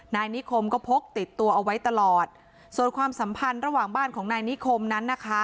นายนิคมก็พกติดตัวเอาไว้ตลอดส่วนความสัมพันธ์ระหว่างบ้านของนายนิคมนั้นนะคะ